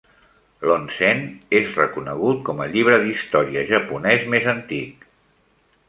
L'Onsen és reconegut com el llibre d'història japonès més antic.